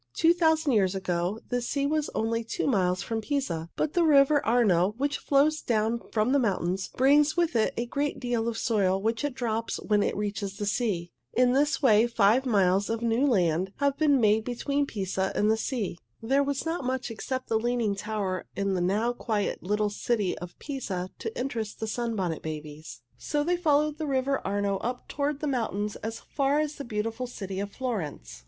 Two thousand years ago the sea was only two miles from Pisa, but the river Arno, which flows down from the mountains, brings with it a great deal of soil which it drops when it reaches the sea. In this way five miles of new land have been made between Pisa and the sea. There was not much except the Leaning Tower in the now quiet little city of Pisa to interest the Sunbonnet Babies, so they followed the river Arno up toward the mountains as far as the beautiful city of Florence.